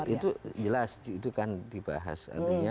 itu jelas itu kan dibahas